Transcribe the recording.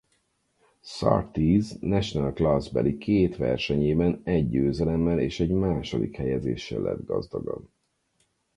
Surtees National Class-beli két versenyében egy győzelemmel és egy második helyezéssel lett gazdagabb.